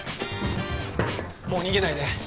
もう逃げないで。